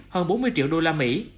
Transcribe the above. hơn bốn mươi triệu đô la mỹ